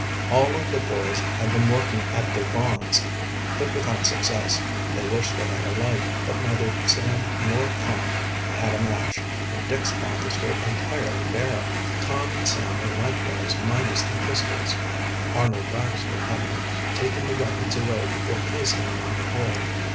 All of the boys had been working at their bonds, but without success. They wished they had a light, but neither Sam nor Tom had a match, and Dick's pockets were entirely bare. Tom and Sam were likewise minus their pistols, Arnold Baxter having taken the weapons away before placing them in the hold.